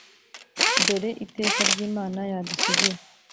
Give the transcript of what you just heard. Dore iteka ry'Imana yadusigira